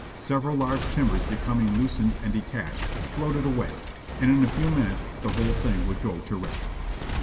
Several large timbers becoming loosened and detached, floated away, and in a few minutes the whole thing would go to wreck.